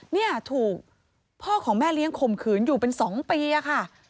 เนี่ยถูกพ่อของแม่เลี้ยงข่มขืนอยู่เป็น๒ปีอะค่ะ